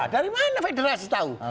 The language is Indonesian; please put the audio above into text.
dari mana federasi tahu